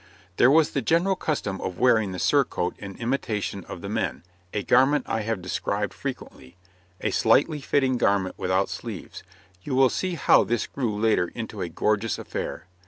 There was the general custom of wearing the surcoat in imitation of the men, a garment I have described frequently a slightly fitting garment without sleeves you will see how this grew later into a gorgeous affair.